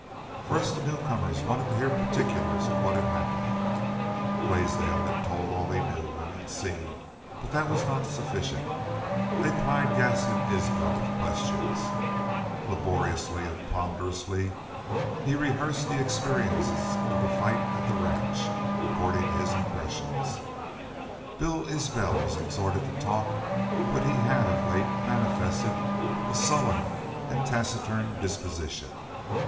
First the newcomers wanted to hear particulars of what had happened. Blaisdell had told all he knew and had seen, but that was not sufficient. They plied Gaston Isbel with questions. Laboriously and ponderously he rehearsed the experiences of the fight at the ranch, according to his impressions. Bill Isbel was exhorted to talk, but he had of late manifested a sullen and taciturn disposition.